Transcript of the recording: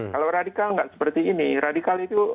kalau radikal nggak seperti ini radikal itu